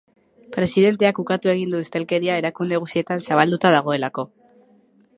Presidenteak ukatu egin du ustelkeria erakunde guztietan zabalduta dagoela.